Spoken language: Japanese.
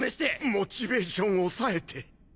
モチベーションおさえて。